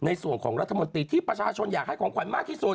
ในส่วนของรัฐมนตรีที่ประชาชนอยากให้ของขวัญมากที่สุด